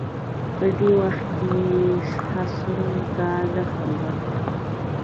په دې وخت کې یې خسرو ته زهر ورکړل.